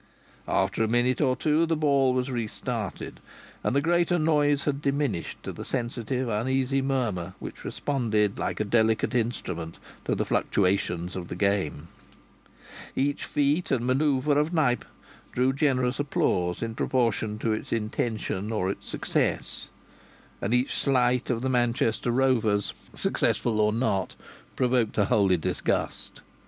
After a minute or two the ball was restarted, and the greater noise had diminished to the sensitive uneasy murmur which responded like a delicate instrument to the fluctuations of the game. Each feat and manoeuvre of Knype drew generous applause in proportion to its intention or its success, and each sleight of the Manchester Rovers, successful or not, provoked a holy disgust.